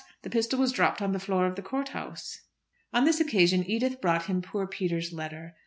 The pistol was dropped on the floor of the court house." On this occasion Edith brought him poor Peter's letter.